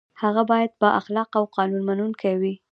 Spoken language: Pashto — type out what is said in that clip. هغه باید با اخلاقه او قانون منونکی وي.